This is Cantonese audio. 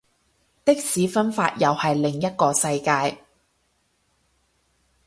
的士分法又係另一個世界